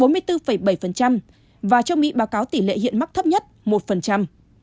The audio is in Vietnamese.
bốn mươi bốn bảy và trong mỹ báo cáo tỷ lệ hiện mắc thấp nhất một